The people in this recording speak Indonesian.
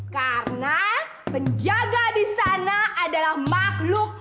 karena penjaga di sana adalah makhluk halus